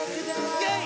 イェイ！